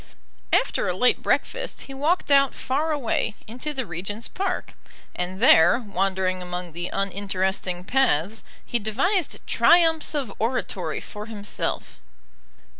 After a late breakfast he walked out far away, into the Regent's Park, and there, wandering among the uninteresting paths, he devised triumphs of oratory for himself.